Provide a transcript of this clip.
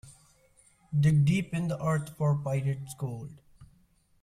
Dig deep in the earth for pirate's gold.